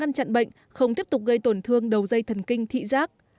bệnh nhân chặn bệnh không tiếp tục gây tổn thương đầu dây thần kinh thị giác